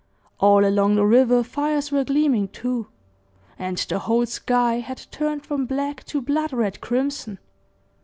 All along the river fires were gleaming, too; and the whole sky had turned from black to blood red crimson.